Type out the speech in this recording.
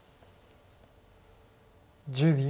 １０秒。